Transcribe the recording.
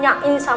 mbak andin kenapa